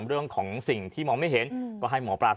เรื่องของสิ่งที่มองไม่เห็นก็ให้หมอปลา